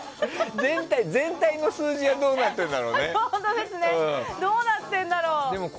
全体の数字はどうなってるんだろうね。